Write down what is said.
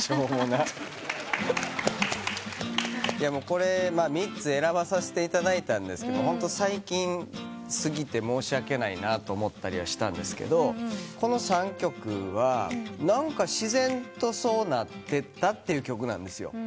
これ３つ選ばせていただいたんですがホント最近過ぎて申し訳ないと思ったりはしたんですがこの３曲は何か自然とそうなってったって曲なんです。